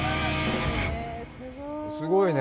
すごいね。